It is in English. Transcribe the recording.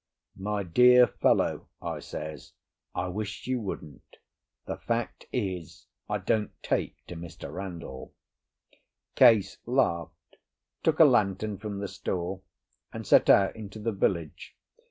"My dear fellow," I says, "I wish you wouldn't. The fact is, I don't take to Mr. Randall." Case laughed, took a lantern from the store, and set out into the village.